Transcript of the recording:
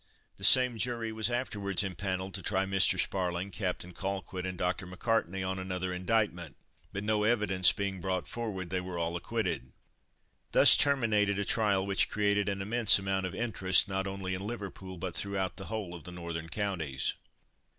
The same jury was afterwards empanelled to try Mr. Sparling, Captain Colquitt, and Dr. MacCartney on another indictment, but no evidence being brought forward, they were all acquitted. Thus terminated a trial which created an immense amount of interest, not only in Liverpool, but throughout the whole of the northern counties.